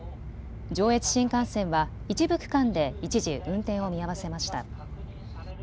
上越新幹線は一部区間で一時、運転を見合わせました。